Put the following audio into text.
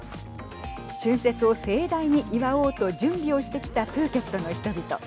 春節を盛大に祝おうと準備をしてきたプーケットの人々。